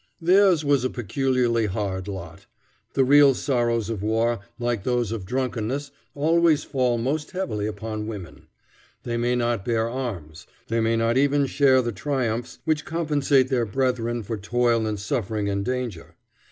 Theirs was a peculiarly hard lot. The real sorrows of war, like those of drunkenness, always fall most heavily upon women. They may not bear arms. They may not even share the triumphs which compensate their brethren for toil and suffering and danger.